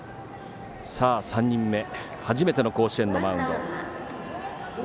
３人目初めての甲子園のマウンド。